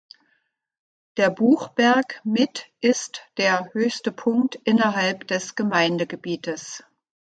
Der Buchberg mit ist der höchste Punkt innerhalb des Gemeindegebietes.